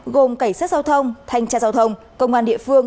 gồm cảnh sát giao thông thanh tra giao thông công an địa phương